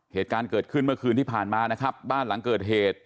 เหตุการณ์เกิดขึ้นเมื่อคืนที่ผ่านมานะครับบ้านหลังเกิดเหตุ